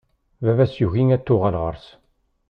Baba-s yugi ad tuɣal ɣur-s.